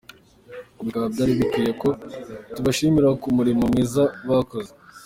Bikaba byari bikwiye ko tubashimira ku murimo mwiza bakoze.